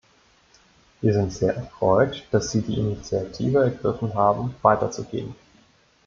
Wir sind sehr erfreut, dass Sie die Initiative ergriffen haben, weiter zu gehen.